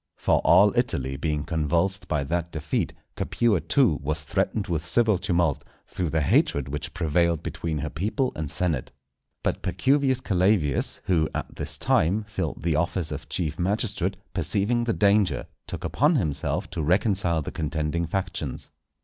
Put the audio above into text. For all Italy being convulsed by that defeat, Capua too was threatened with civil tumult, through the hatred which prevailed between her people and senate. But Pacuvius Calavius, who at this time filled the office of chief magistrate, perceiving the danger, took upon himself to reconcile the contending factions.